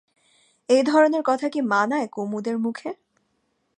এ ধরনের কথা কি মানায় কুমুদের মুখে?